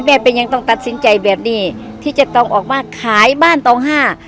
เป็นยังต้องตัดสินใจแบบนี้ที่จะต้องออกมาขายบ้านตองห้า